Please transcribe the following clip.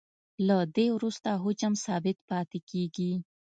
له دې وروسته حجم ثابت پاتې کیږي